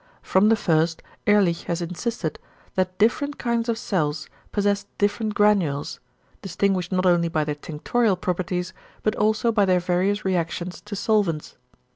From the first Ehrlich has insisted, =that different kinds of cells possess different granules=, distinguished not only by their tinctorial properties, but also by their various reactions to solvents.